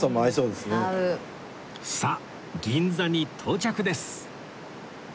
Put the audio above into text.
さあ銀座に到着です！